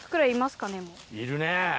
いるね。